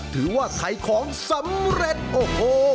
ถือว่าขายของสำเร็จโอ้โห